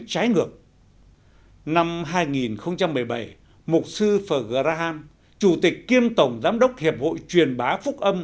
trái ngược năm hai nghìn một mươi bảy mục sư phở graham chủ tịch kiêm tổng giám đốc hiệp hội truyền bá phúc âm